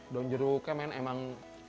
daun jeruknya memang